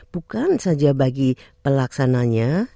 bukan saja bagi pelaksananya